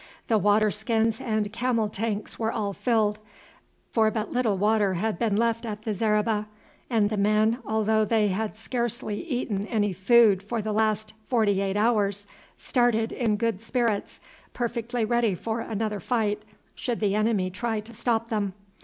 The water skins and camel tanks were all filled, for but little water had been left at the zareba; and the men, although they had scarcely eaten any food for the last forty eight hours, started in good spirits, perfectly ready for another fight should the enemy try to stop them.